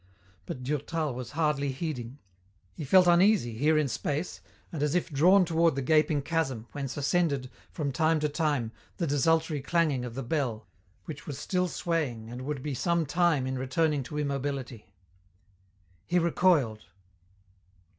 But Durtal was hardly heeding. He felt uneasy, here in space, and as if drawn toward the gaping chasm, whence ascended, from time to time, the desultory clanging of the bell, which was still swaying and would be some time in returning to immobility. He recoiled.